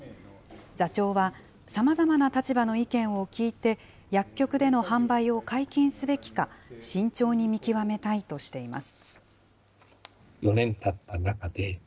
座長は、さまざまな立場の意見を聞いて、薬局での販売を解禁すべきか、慎重に見極めたいとしています。